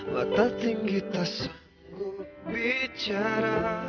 mata tinggi tak sanggup bicara